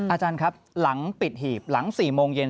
อาจารย์ครับหลังปิดหีบหลัง๔โมงเย็น